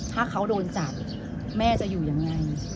ถ้าเขาโดนจับแม่จะอยู่ยังไง